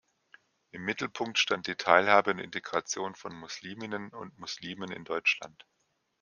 Im Mittelpunkt stand die Teilhabe und Integration von Musliminnen und Muslimen in Deutschland.